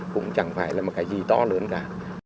cũng chẳng phải là một cái gì to lớn cả